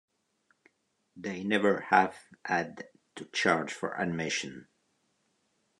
They never have had to charge for admission.